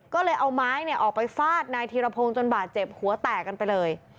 ก็เลยเอาไม้ออกไปฟาดนายธีรพงศ์จนบาดเจ็บหัวแตกกันไปเลย